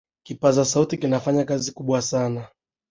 kipaza sauti kinafanya kazi kubwa sana